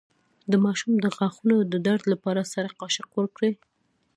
د ماشوم د غاښونو د درد لپاره سړه قاشق ورکړئ